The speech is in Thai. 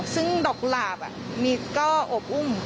ซึ่งดอกกุหลาบมีก็อบอุ้ม